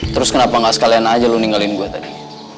terus kenapa gak sekalian aja lu ninggalin gue tadi